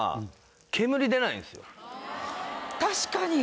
確かに！